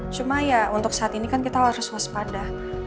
cuma ya untuk saat ini kan kita harus waspada